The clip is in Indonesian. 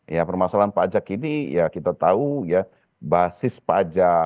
ya permasalahan pajak ini ya kita tahu ya basis pajak